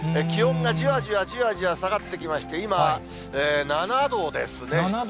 気温がじわじわじわじわ下がってきまして、今、７度ですね。